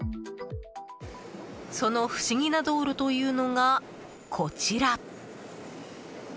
その不思議な道路というのがこちら。